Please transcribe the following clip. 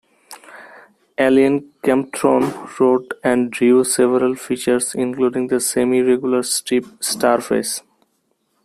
Allin Kempthorne wrote and drew several features including the semi-regular strip "Starface".